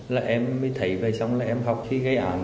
là em mới thấy vậy xong là em học khi gây ảnh